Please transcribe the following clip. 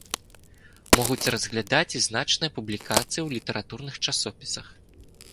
Могуць разглядаць і значныя публікацыі ў літаратурных часопісах.